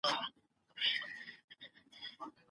ځواني د غفلت لپاره نه بلکي د بېدارۍ لپاره ده.